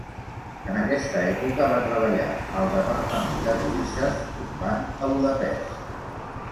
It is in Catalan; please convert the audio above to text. En aquesta època va treballar al departament de divises d'un banc a Budapest.